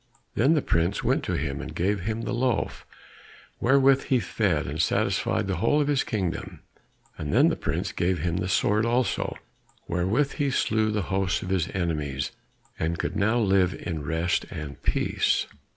Then the prince went to him and gave him the loaf, wherewith he fed and satisfied the whole of his kingdom, and then the prince gave him the sword also wherewith he slew the hosts of his enemies, and could now live in rest and peace.